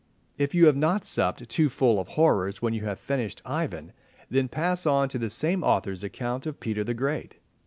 If you have not supped too full of horrors when you have finished Ivan, then pass on to the same author's account of Peter the Great.